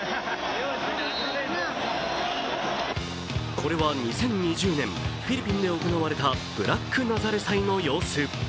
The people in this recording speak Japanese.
これは２０２０年、フィリピンで行われたブラックナザレ祭の様子。